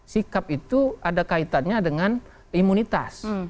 sikap itu ada kaitannya dengan imunitas